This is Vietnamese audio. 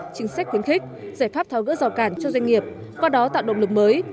chính sách khuyến khích giải pháp tháo gỡ rò cản cho doanh nghiệp qua đó tạo động lực mới